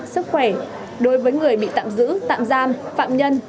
sức khỏe đối với người bị tạm giữ tạm giam phạm nhân